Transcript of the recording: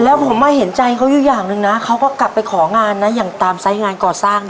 แล้วผมมาเห็นใจเขาอยู่อย่างหนึ่งนะเขาก็กลับไปของานนะอย่างตามไซส์งานก่อสร้าง